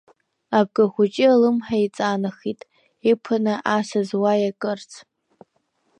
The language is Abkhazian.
Абгахәыҷы алымҳа еиҵанахит, иԥаны Асыс уа иакырц…